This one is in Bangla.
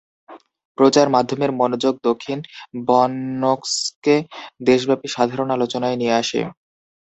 প্রচার মাধ্যমের মনোযোগ দক্ষিণ ব্রনক্সকে দেশব্যাপী সাধারণ আলোচনায় নিয়ে আসে।